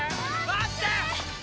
待ってー！